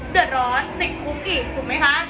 เดือดร้อนติดคุกอีกถูกไหมคะ